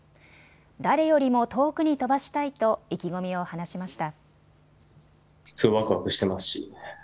誰よりも遠くに飛ばしたいと意気込みを話しました。